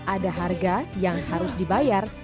ada harga yang harus dibayar